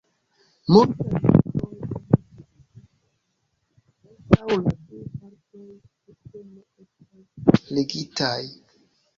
Multaj mapoj donas la impreson, kvazaŭ la du partoj tute ne estas ligitaj.